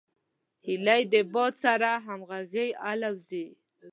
هیلۍ د باد سره همغږي الوزي